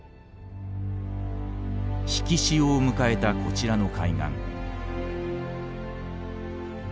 引き潮を迎えたこちらの海岸。